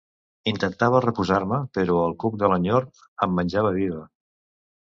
Intentava reposar-me, però el cuc de l'enyor em menjava viva.